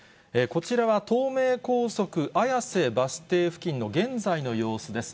こちらは東名高速綾瀬バス停付近の現在の様子です。